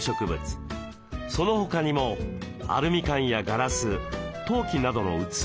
その他にもアルミ缶やガラス陶器などの器。